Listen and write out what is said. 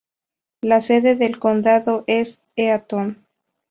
La sede del condado es Eaton.